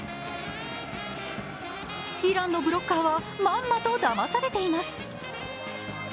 イランのブロッカーはまんまとだまされています。